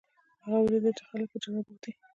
هغه ولیدل چې خلک په جګړه بوخت دي.